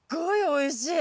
おいしい？